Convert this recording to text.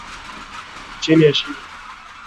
chini ya shingo